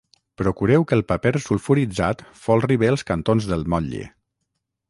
Procureu que el paper sulfuritzat folri bé els cantons del motlle